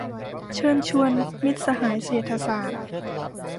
เชิญชวนมิตรสหายเศรษฐศาสตร์